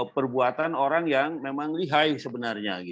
perbuatan orang yang memang lihai sebenarnya